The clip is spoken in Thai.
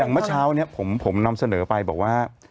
อย่างเมื่อเช้าเนี่ยผมนำเสนอไปบอกว่า